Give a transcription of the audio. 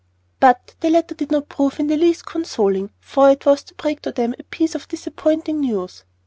But the letter did not prove in the least consoling, for it was to break to them a piece of disappointing news.